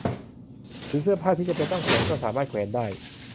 หรือเสื้อผ้าที่จำเป็นต้องแขวนก็สามารถแขวนได้